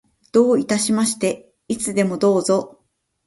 どういたしまして。いつでもどうぞ。